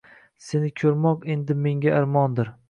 Seni ko‘rmoq endi menga armondir